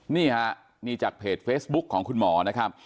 นี่ฮะนี่จากเพจเฟซบุ๊คของคุณหมอนะครับ